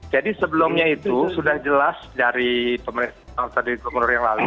jadi sebelumnya itu sudah jelas dari pemerintah dari pemerintah yang lalu